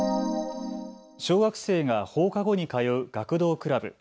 小学生が放課後に通う学童クラブ。